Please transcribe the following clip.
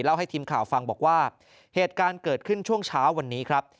ให้ทีมข่าวฟังบอกว่าเหตุการณ์เกิดขึ้นช่วงเช้าวันนี้ครับ